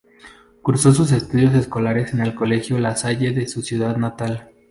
Cursó sus estudios escolares en el Colegio La Salle de su ciudad natal.